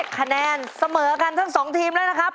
คะแนนเสมอกันทั้ง๒ทีมแล้วนะครับ